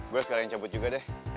gue sekalian cabut juga deh